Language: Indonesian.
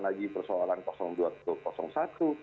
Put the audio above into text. lagi persoalan dua atau satu